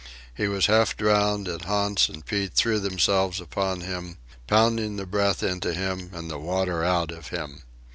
He was half drowned, and Hans and Pete threw themselves upon him, pounding the breath into him and the water out of him.